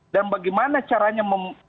dan bagaimana caranya